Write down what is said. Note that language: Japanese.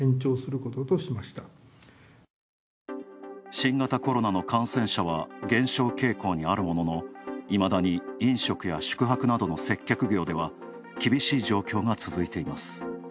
新型コロナの感染者は、減少傾向にあるもののいまだに飲食や宿泊などの接客業では厳しい状況が続いています。